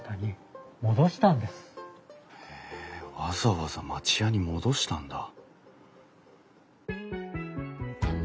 わざわざ町家に戻したんだ。